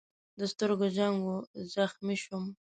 د سترګو جنګ و، زخمي شوم.